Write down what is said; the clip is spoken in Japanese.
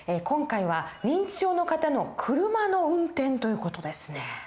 今回は認知症の方の車の運転という事ですね。